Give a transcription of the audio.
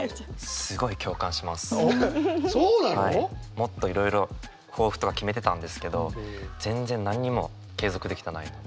もっといろいろ抱負とか決めてたんですけど全然何にも継続できてないので。